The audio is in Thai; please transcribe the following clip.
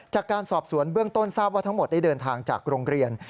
จากการสอบสวนเบื้องต้นทราบว่าทั้งหมดได้เดินทางจากโรงเรียน